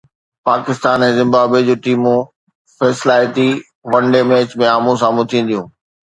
Pakistan ۽ Zimbabwe جون ٽيمون فيصلائتي ون ڊي ميچ ۾ آمهون سامهون ٿينديون